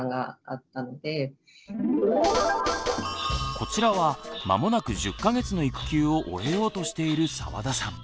こちらは間もなく１０か月の育休を終えようとしている澤田さん。